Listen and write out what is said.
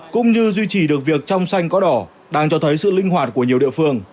cũng như duy trì được việc trong xanh có đỏ đang cho thấy sự linh hoạt của nhiều địa phương